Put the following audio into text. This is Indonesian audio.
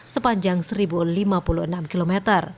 sepanjang seribu lima puluh enam km